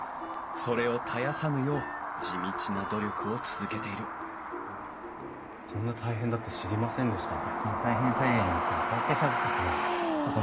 それを絶やさぬよう地道な努力を続けているそんな大変だって知りませんでした。